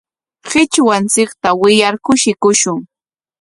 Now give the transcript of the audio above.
Qichwanchikta wiyar kushikushun.